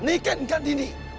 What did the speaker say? iken ganti di putri